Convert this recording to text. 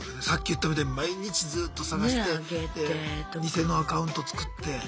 さっき言ったみたいに毎日ずっと探して偽のアカウント作って。